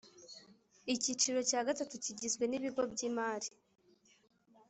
Icyiciro cya gatatu kigizwe n ibigo by’ imari .